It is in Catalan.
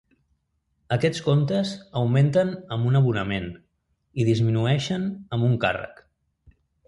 Aquests comptes augmenten amb un abonament i disminueixen amb un càrrec.